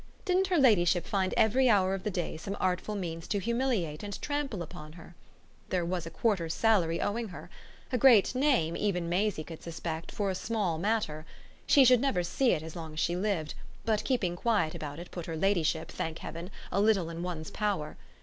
Didn't her ladyship find every hour of the day some artful means to humiliate and trample upon her? There was a quarter's salary owing her a great name, even Maisie could suspect, for a small matter; she should never see it as long as she lived, but keeping quiet about it put her ladyship, thank heaven, a little in one's power.